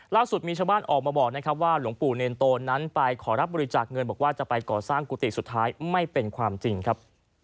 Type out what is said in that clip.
ล่าสุดมีชาวบ้านออกมาบอกนะครับว่าหลวงปู่เนรโตนั้นไปขอรับบริจาคเงินบอกว่าจะไปก่อสร้างกุฏิสุดท้ายไม่เป็นความจริงครับ